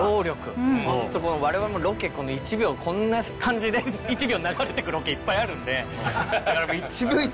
われわれもロケ１秒こんな感じで１秒流れてくロケいっぱいあるんで。